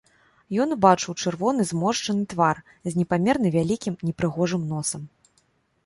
Ён убачыў чырвоны зморшчаны твар з непамерна вялікім непрыгожым носам.